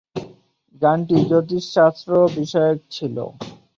গানটি জ্যোতিষশাস্ত্র বিষয়ক ছিলো।